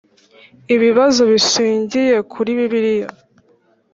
Ibibazo bishingiye kuri Bibiliya